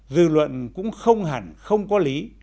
dư luận cũng không hẳn không có lý